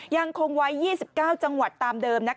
ยังคงไว้๒๙จังหวัดตามเดิม